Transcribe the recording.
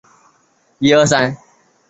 这三个科都是莲花青螺总科的成员。